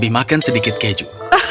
makan sedikit keju